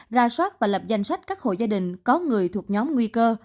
ra soát và lập danh sách các hộ gia đình có người thuộc nhóm nguy cơ